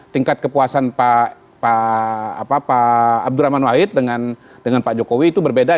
tingkat kepuasan pak abdurrahman wahid dengan pak jokowi itu berbeda